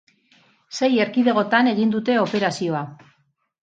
Sei erkidegotan egin dute operazioa.